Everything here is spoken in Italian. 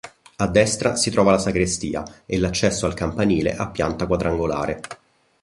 A destra si trova la sagrestia e l'accesso al campanile a pianta quadrangolare.